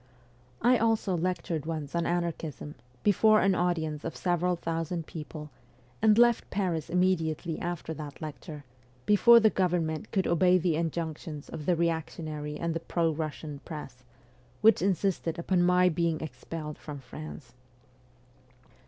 I also lectured once on anarchism, before an audience of several thousand people, and left Paris immediately after that lecture, before the government could obey the injunctions of the reactionary and the pro Russian press, which insisted upon my being expelled from France.